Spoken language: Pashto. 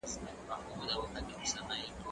زه پرون ليک لولم وم؟!